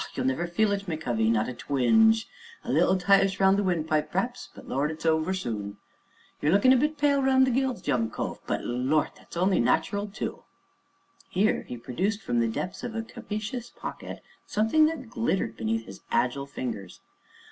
you'll never feel it, my covey not a twinge; a leetle tightish round the windpipe, p'r'aps but, Lord, it's soon over. You're lookin' a bit pale round the gills, young cove, but, Lord! that's only nat'ral too." Here he produced from the depths of a capacious pocket something that glittered beneath his agile fingers.